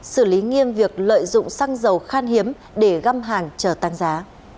xử lý nghiêm việc lợi dụng xăng dầu khan hiếm để găm hàng chờ tăng giá